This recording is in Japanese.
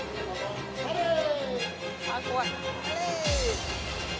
あぁ怖い。